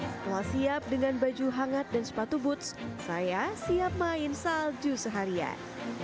setelah siap dengan baju hangat dan sepatu boots saya siap main salju seharian